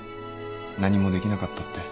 何もできなかったって。